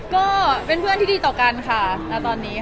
ก็เป็นเพื่อนที่ดีต่อกันค่ะณตอนนี้